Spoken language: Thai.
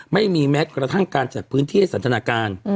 ไม่มีแม้กระทั่งการจัดพื้นที่ให้สันทนาการ